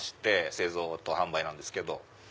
製造と販売なんですけど。